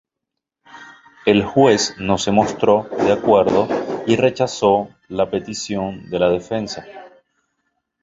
El juez no se mostró de acuerdo y rechazó la petición de la defensa.